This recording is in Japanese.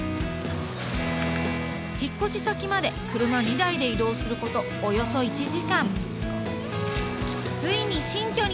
引っ越し先まで車２台で移動することおよそ１時間ついに新居に到着！